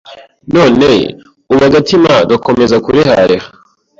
none ubu agatima gakomeza kurehareha